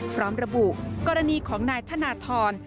พร้อมระบุกรณีของนายธนทร